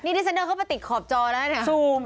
นี่ดิสเซ็งเนอร์เข้าไปติดขอบจอแล้ว